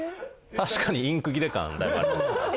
確かにインク切れ感だいぶありますね。